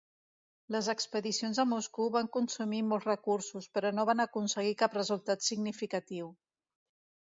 Les expedicions a Moscou van consumir molts recursos, però no van aconseguir cap resultat significatiu.